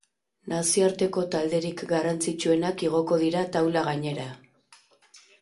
Nazioarteko talderik garrantzitsuenak igoko dira taula gainera.